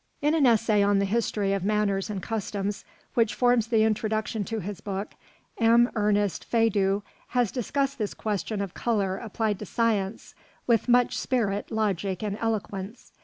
In an essay on the history of manners and customs which forms the introduction to his book, M. Ernest Feydeau has discussed this question of colour applied to science with much spirit, logic, and eloquence.